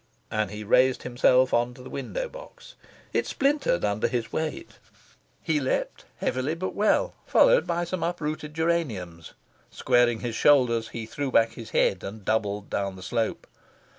and he raised himself on to the window box. It splintered under his weight. He leapt heavily but well, followed by some uprooted geraniums. Squaring his shoulders, he threw back his head, and doubled down the slope.